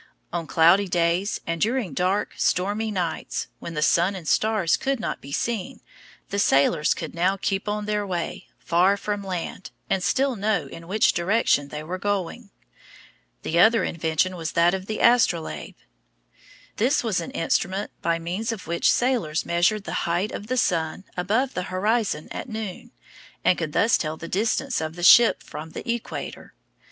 On cloudy days, and during dark, stormy nights, when the sun and stars could not be seen, the sailors could now keep on their way, far from land, and still know in which direction they were going. [Illustration: Mariners' Compass.] The other invention was that of the astrolabe. This was an instrument by means of which sailors measured the height of the sun above the horizon at noon, and could thus tell the distance of the ship from the equator.